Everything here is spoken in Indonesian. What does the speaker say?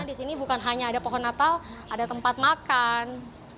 di sini bukan hanya ada pohon natal ada tempat makan